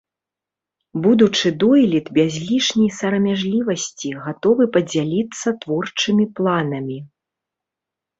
Будучы дойлід без лішняй сарамяжлівасьці гатовы падзяліцца творчымі планамі.